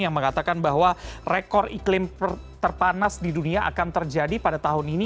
yang mengatakan bahwa rekor iklim terpanas di dunia akan terjadi pada tahun ini